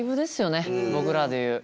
僕らで言う。